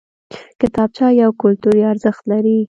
کتابچه یو کلتوري ارزښت لري